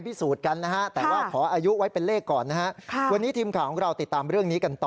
แล้วมีสี่ขาแบบนี้มันไม่มีเลขสี่โผมเลยหรือคะ